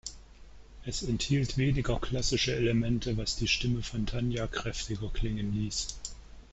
Es enthielt weniger klassische Elemente, was die Stimme von Tania kräftiger klingen ließ.